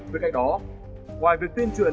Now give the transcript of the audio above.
với cách đó ngoài việc tuyên truyền